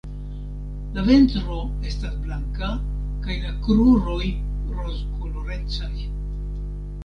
La ventro estas blanka kaj la kruroj rozkolorecaj.